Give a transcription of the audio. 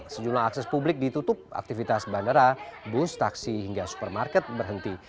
sejumlah akses publik ditutup aktivitas bandara bus taksi hingga supermarket berhenti